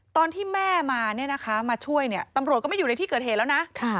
ตอนที่แม่มาช่วยตำรวจก็ไม่อยู่ในที่เกิดเหตุแล้วนะ